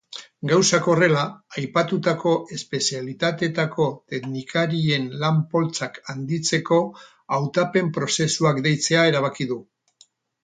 Gauzak horrela, aipatutako espezialitateetako teknikarien lan-poltsak handitzeko hautapen-prozesuak deitzea erabaki du.